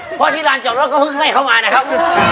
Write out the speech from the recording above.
เพราะทิลานเจาะแล้วก็เพิ่งให้เข้ามานะครับ